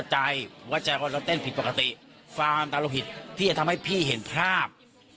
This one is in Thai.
หัวใจหัวใจว่าเราเต้นผิดปกติฟังตาเราผิดที่จะทำให้พี่เห็นภาพ